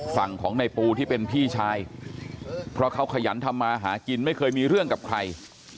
ฝั่งของในปูที่เป็นพี่ชายเพราะเขาขยันทำมาหากินไม่เคยมีเรื่องกับใคร